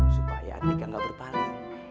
supaya tika gak berpala